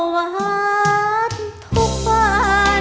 หัวใจเหมือนไฟร้อน